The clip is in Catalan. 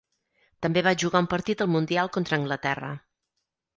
També va jugar un partit al Mundial contra Anglaterra.